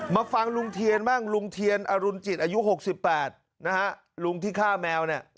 มาฟังลุงเทียนบ้างลุงเทียนอรุณจิตอายุ๖๘นะฮะลุงที่ฆ่าแมวเนี่ย